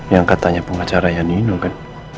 yang katanya pengacaranya nino kan